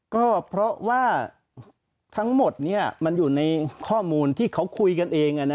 ก็เพราะว่าทั้งหมดมันอยู่ในข้อมูลที่เขาคุยกันเอง